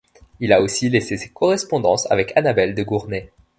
Il a aussi laissé ses correspondances avec Annabelle Degournay.